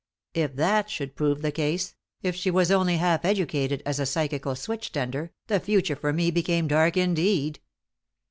If that should prove to be the case, if she was only half educated as a psychical switch tender, the future for me became dark indeed.